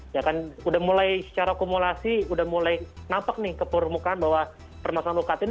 ya kan sudah mulai secara akumulasi sudah mulai nampak nih ke permukaan bahwa permasalahan ukt ini